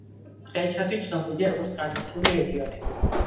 დღეისათვის ცნობილია როგორც ტრადიციული რეგიონები.